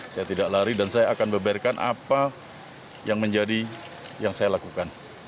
saya tidak lari dan saya akan beberkan apa yang menjadi yang saya lakukan